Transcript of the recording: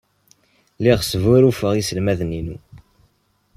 Lliɣ sbuṛṛufeɣ iselmaden-inu.